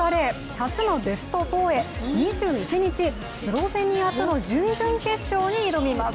初のベスト４へ、２１日、スロベニアとの準々決勝に挑みます。